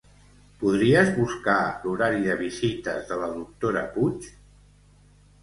Podries buscar l'horari de visites de la doctora Puig?